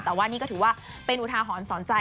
แต่ว่านี่ก็ถือว่าเป็นอุทาหรณ์สอนใจ